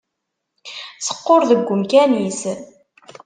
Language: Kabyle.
Teqqur deg umkan-is.